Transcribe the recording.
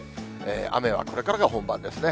雨はこれからが本番ですね。